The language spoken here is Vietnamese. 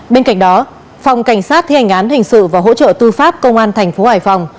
bên cạnh đó phòng cảnh sát thi hành án hình sự và hỗ trợ tư pháp công an thành phố hải phòng